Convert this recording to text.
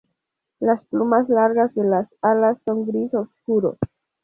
Las plumas largas de las alas son gris oscuro.